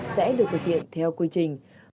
sẽ được thực hiện theo quy trình